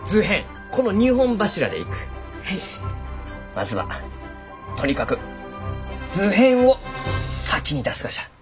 まずはとにかく図編を先に出すがじゃ。